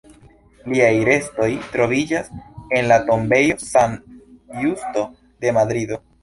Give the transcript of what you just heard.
Liaj restoj troviĝas en la tombejo San Justo de Madrido.